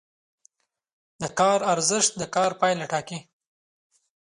د کار ارزښت د کار پایله ټاکي.